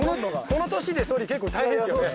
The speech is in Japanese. この年でそり結構大変ですよね。